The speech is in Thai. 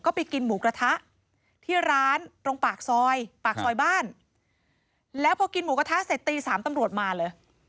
ก็ไปกินหมูกระทะที่ร้านตรงปากซอยปากซอยบ้านแล้วพอกินหมูกระทะเสร็จตีสามตำรวจมาเลย